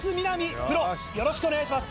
プロよろしくお願いします。